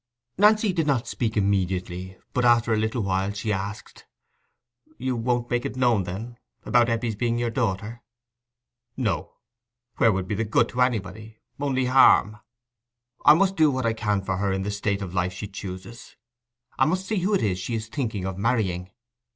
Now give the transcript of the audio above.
Nancy did not speak immediately, but after a little while she asked—"You won't make it known, then, about Eppie's being your daughter?" "No: where would be the good to anybody?—only harm. I must do what I can for her in the state of life she chooses. I must see who it is she's thinking of marrying."